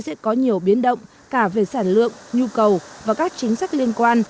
sẽ có nhiều biến động cả về sản lượng nhu cầu và các chính sách liên quan